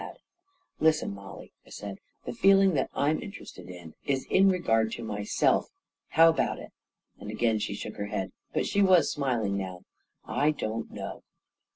44 Listen, Mollie," I said; 4< the feeling that I'm interested in is in regard to myself. How about it?" Again she shook her head, but she was smiling now. 44 1 don't know